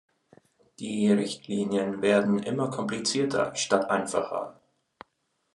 Die Richtlinien werden immer komplizierter statt einfacher.